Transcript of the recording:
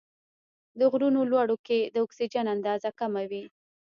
د غرونو لوړو کې د اکسیجن اندازه کمه وي.